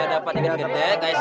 yaudah permisi ya